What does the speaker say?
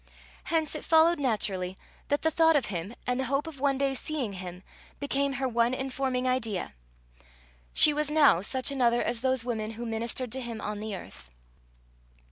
Hence it followed naturally that the thought of him, and the hope of one day seeing him, became her one informing idea. She was now such another as those women who ministered to him on the earth.